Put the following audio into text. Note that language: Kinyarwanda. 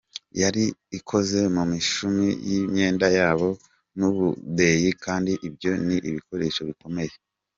Yari ikoze mu mishumi y’imyenda yabo n’ubudeyi kandi ibyo ni ibikoresho bikomeye.